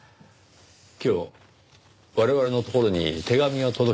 今日我々のところに手紙が届きました。